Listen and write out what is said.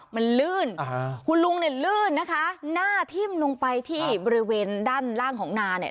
มันลื่นคุณลุงเนี่ยลื่นนะคะหน้าทิ่มลงไปที่บริเวณด้านล่างของนาเนี่ย